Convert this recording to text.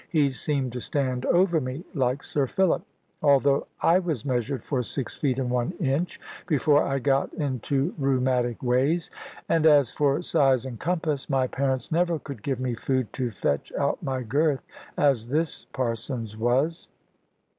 He seemed to stand over me, like Sir Philip; although I was measured for six feet and one inch, before I got into rheumatic ways. And as for size and compass, my parents never could give me food to fetch out my girth, as this parson's was.